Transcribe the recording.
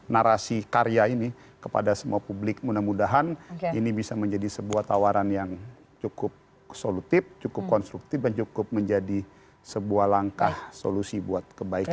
narasi karya ini kepada semua publik mudah mudahan ini bisa menjadi sebuah tawaran yang cukup solutif cukup konstruktif dan cukup menjadi sebuah langkah solusi buat kebaikan